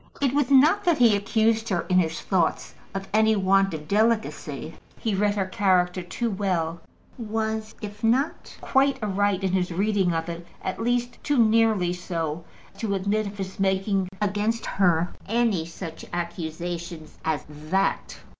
It was not that he accused her in his thoughts of any want of delicacy. He read her character too well; was, if not quite aright in his reading of it, at least too nearly so to admit of his making against her any such accusation as that.